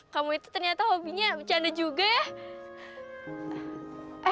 kamu itu ternyata hobinya bercanda juga ya